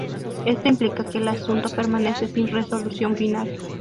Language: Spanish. Esto implica que el asunto permanece sin resolución final.